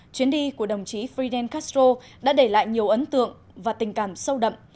chuyến đi của đồng chí fridan castro đã để lại nhiều ấn tượng và tình cảm sâu đậm